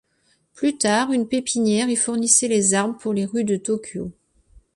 Plus tard, une pépinière y fournissait les arbres pour les rues de Tokyo.